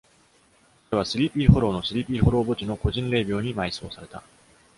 彼はスリーピー・ホロウのスリーピー・ホロウ墓地の個人霊廟に埋葬された。